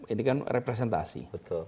ini kan representasi